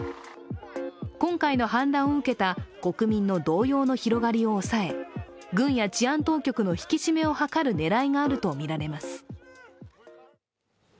今回の反乱を受けた国民の動揺の広がりを抑え、軍や治安当局の引き締めを図る狙いがあるとみられます。